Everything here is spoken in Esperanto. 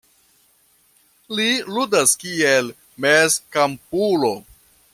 Li ludas kiel mezkampulo.